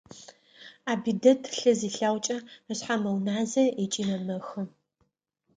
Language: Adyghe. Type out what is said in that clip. Абидэт лъы зилъэгъукӀэ ышъхьэ мэуназэ ыкӀи мэмэхы.